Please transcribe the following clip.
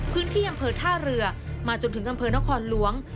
พื้นที่อำเภอท่าเรือมาจนถึงอำเภอนครหลวง